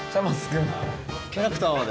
キャラクターまで。